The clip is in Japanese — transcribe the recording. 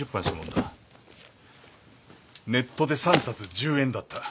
ネットで３冊１０円だった。